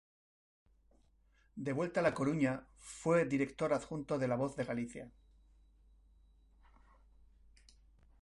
De vuelta a La Coruña, fue director adjunto de "La Voz de Galicia".